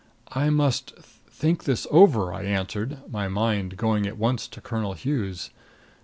"I must think this over," I answered, my mind going at once to Colonel Hughes.